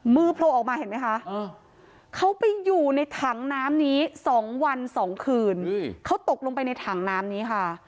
โผล่ออกมาเห็นไหมคะเขาไปอยู่ในถังน้ำนี้๒วัน๒คืนเขาตกลงไปในถังน้ำนี้ค่ะ